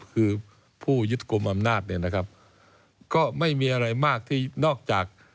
คือผู้ยึดกลุ่มอำนาจก็ไม่มีอะไรมากที่นอกจาก